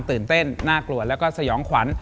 ตื่นเต้นน่ากลัวแล้วก็สยองขวัญ